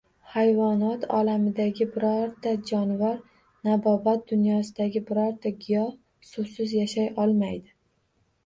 Hayvonot olamidagi birorta jonivor, nabotot dunyosidagi birorta giyoh suvsiz yashay olmaydi